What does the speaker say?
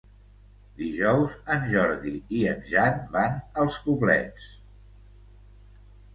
Dijous en Jordi i en Jan van als Poblets.